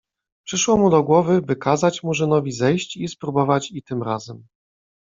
Przyszło mu do głowy, by kazać Murzynowi zejść i spróbować i tym razem.